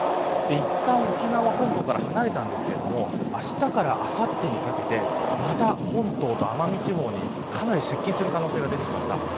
いったん、沖縄本島から離れたんですけどあしたからあさってにかけてまた本島と奄美地方にかなり接近する可能性が出てきました。